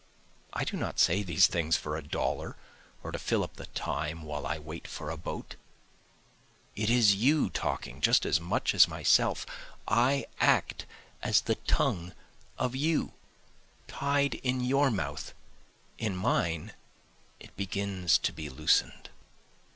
I do not say these things for a dollar or to fill up the time while I wait for a boat, (It is you talking just as much as myself, I act as the tongue of you, Tied in your mouth, in mine it begins to be loosen'd.)